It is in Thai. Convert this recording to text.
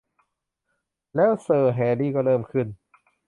แล้วเซอร์ แฮรี่ ก็เริ่มขึ้น